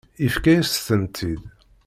Yefka-yas-tent-id.